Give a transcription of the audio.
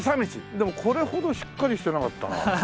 でもこれほどしっかりしてなかったな。